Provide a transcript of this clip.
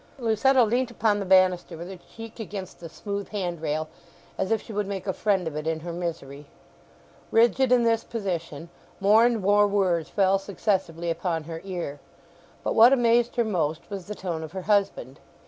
Lucetta leant upon the banister with her cheek against the smooth hand rail, as if she would make a friend of it in her misery. Rigid in this position, more and more words fell successively upon her ear. But what amazed her most was the tone of her husband.